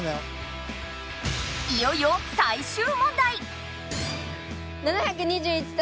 いよいよ最終問題！